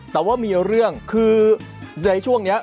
แต่ว่ามีเรื่องคือในช่วงนี้